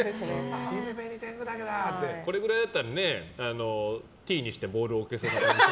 これぐらいだったらティーにしてボールを置けそう。